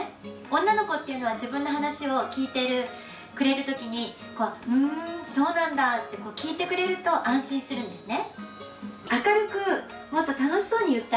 女の子っていうのは自分の話を聞いてくれる時にふんそうなんだって聞いてくれると安心するんですね。